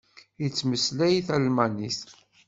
Yettmeslay talmanit.